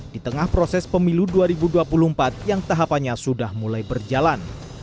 di tengah proses pemilu dua ribu dua puluh empat yang tahapannya sudah mulai berjalan